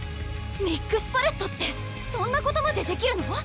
ミックスパレットってそんなことまでできるの⁉